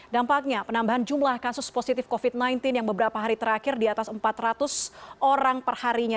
dampaknya penambahan jumlah kasus positif covid sembilan belas yang beberapa hari terakhir di atas empat ratus orang perharinya